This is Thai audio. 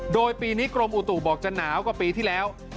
โดยปีนี้กรมอุตุบอกจะหนาวกว่าปีที่แล้ว